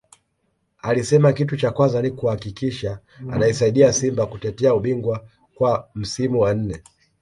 alisema kitu cha kwanza ni kuhakikisha anaisaidia Simba kutetea ubingwa kwa msimu wa nne